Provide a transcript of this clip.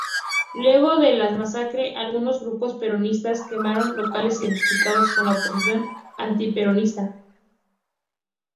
Luego de la masacre algunos grupos peronistas quemaron locales identificados con la oposición antiperonista.